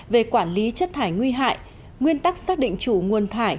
về quản lý chất thải nguy hại nguyên tắc xác định chủ nguồn thải